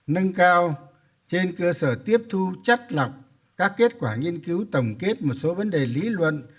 nâng cao trên cơ sở tiếp thu chất lọc các kết quả nghiên cứu tổng kết một số vấn đề lý luận